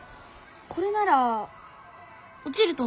これなら落ちると思います！